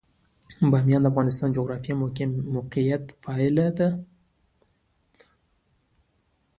بامیان د افغانستان د جغرافیایي موقیعت پایله ده.